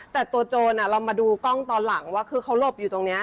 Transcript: แต่ตัวโจรเรามาดูกล้องตอนหลังว่าคือเขาหลบอยู่ตรงนี้